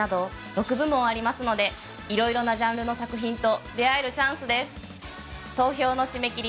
６部門ありますのでいろいろなジャンルの作品と出合えるチャンスです。